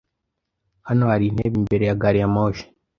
Hano hari intebe imbere ya gariyamoshi.